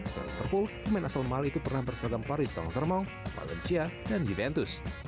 sebagai liverpool pemain asal mali itu pernah berseragam paris saint germain valencia dan juventus